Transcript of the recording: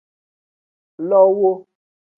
Lowo.